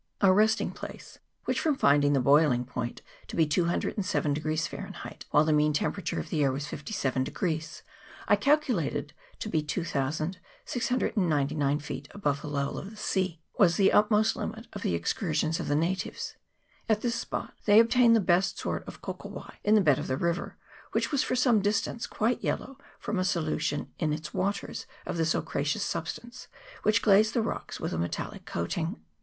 Our resting place which, from finding the boilin point to be 207 Fahrenheit, while the mean temperature of the air was 57, I calculated to be 2699 feet above the level of the sea was the utmost limit of the excur sions of the natives : at this spot they obtain the best sort of kokowai in the bed of the river, which was for some distance quite yellow from a solution in its waters of this ochreous substance, which glazed the rocks with a metallic coating.